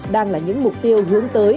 đang là những mục tiêu hướng tới